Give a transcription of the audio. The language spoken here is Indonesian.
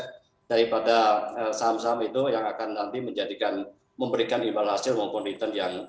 hai daripada saham saham itu yang akan nanti menjadikan memberikan imbalansi komponen yang